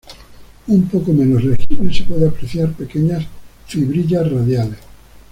Un poco menos legible se pueden apreciar pequeñas fibrillas radiales.